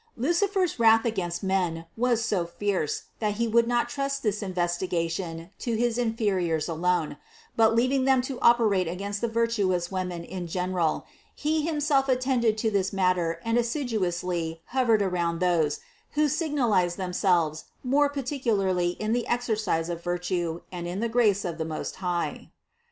Lucifer's wrath against men was so fierce, that he would not trust this investigation to his inferiors alone; but leaving them to operate against the virtuous women in general, he himself attended to this matter and assiduously hovered around those, who sig nalized themselves more particularly in the exercise of virtue and in the grace of the Most High.